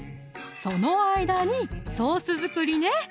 その間にソース作りね！